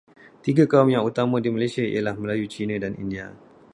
Tiga kaum yang utama di Malaysia ialah Melayu, Cina dan India.